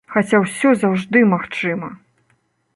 Хаця ўсё заўжды магчыма!